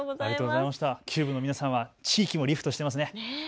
球舞の皆さんは地域もリフトしてますね。